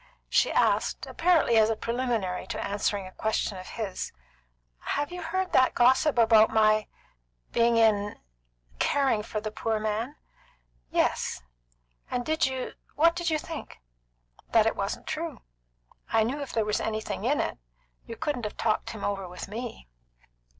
She asked, apparently as preliminary to answering a question of his, "Have you heard that gossip about my being in caring for the poor man?" "Yes." "And did you what did you think?" "That it wasn't true. I knew if there were anything in it, you couldn't have talked him over with me."